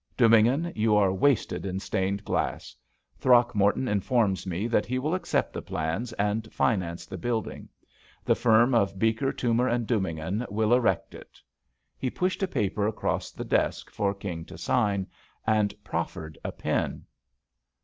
Dubignon, you are wasted in stained glass. Throckmorton in forms me that he will accept the plans and finance the building. The firm of Beeker, Toomer & Dubignon will erect it." He pushed a paper across the desk for King to sign, and proflfered a pen.